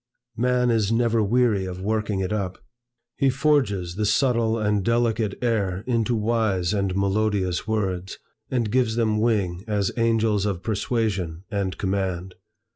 Man is never weary of working it up. He forges the subtile and delicate air into wise and melodious words, and gives them wing as angels of persuasion and command.